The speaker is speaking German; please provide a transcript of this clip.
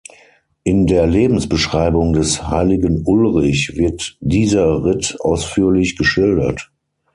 In der Lebensbeschreibung des heiligen Ulrich wird dieser Ritt ausführlich geschildert.